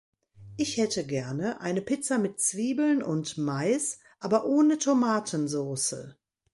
Ich hätte gerne eine Pizza mit Zwiebeln und Mais, aber ohne Tomatensoße.